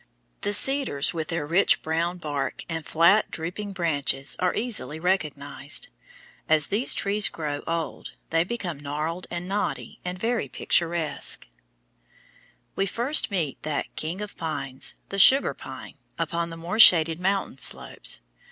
The cedars, with their rich brown bark and flat, drooping branches, are easily recognized. As these trees grow old they become gnarled and knotty and very picturesque. [Illustration: FIG. 125. SUGAR PINE] We first meet that "king of pines," the sugar pine, upon the more shaded mountain slopes.